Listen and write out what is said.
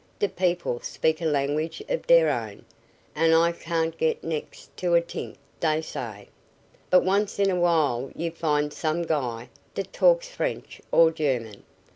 D' people speak a language of deir own, and I can't get next to a t'ink dey say. But once in a while you find some guy dat talks French or German.